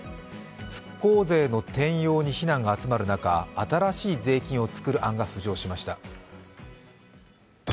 復興税の転用に非難が集まる中、新しい税金をつくる案が浮上しました。